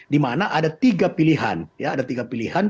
di mana ada tiga pilihan ya ada tiga pilihan